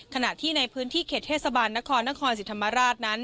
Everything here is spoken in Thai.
ขณะที่ในพื้นที่เขตเทศบาลนครนครศรีธรรมราชนั้น